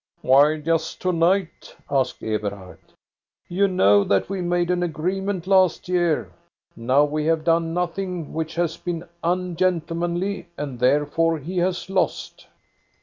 " Why just to night? asked Eberhard. " You know that we made an agreement last year. Now we have done nothing which has been ungentle manly, and therefore he has lost."